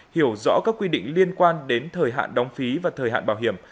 hiểu rõ các quy định liên quan đến thời hạn đóng phí và thời hạn bảo hiểm